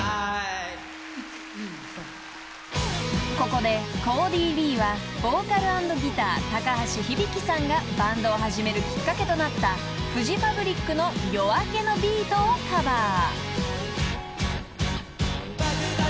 ［ここでＣｏｄｙ・Ｌｅｅはボーカル＆ギター高橋響さんがバンドを始めるきっかけとなったフジファブリックの『夜明けのＢＥＡＴ』をカバー］